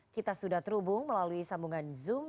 kita sudah terhubung melalui sambungan zoom